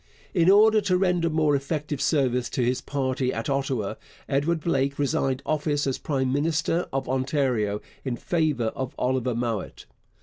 In order to render more effective service to his party at Ottawa, Edward Blake resigned office as prime minister of Ontario in favour of Oliver Mowat.